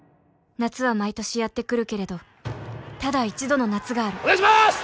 夏は毎年やってくるけれどただ一度の夏があるお願いします！